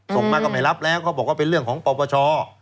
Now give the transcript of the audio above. ส่งมาก็ไม่รับแล้วเขาบอกว่าเป็นเรื่องของปปช